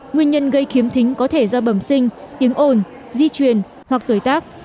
nguyên nhân gây khiếm thính có thể do bẩm sinh tiếng ồn di truyền hoặc tuổi tác